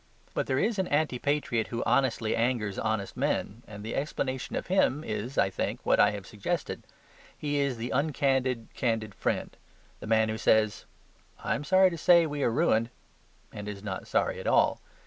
But there is an anti patriot who honestly angers honest men, and the explanation of him is, I think, what I have suggested: he is the uncandid candid friend; the man who says, "I am sorry to say we are ruined," and is not sorry at all.